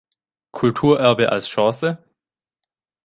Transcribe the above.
Kulturerbe als Chance?